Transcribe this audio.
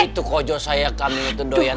itu kojo saya kambing itu doyan banget kawin